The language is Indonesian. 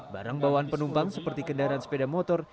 barang bawaan penumpang seperti kendaraan sepeda motor